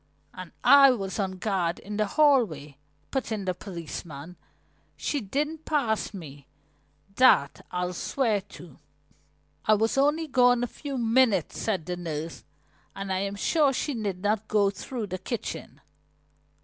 "And I was on guard in the hallway," put in the policeman. "She didn't pass me, that I'll swear to." "I was only gone a few minutes," said the nurse. "And I am sure she did not go through the kitchen."